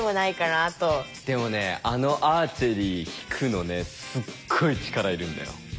でもねあのアーチェリー引くのねすっごい力いるんだよ。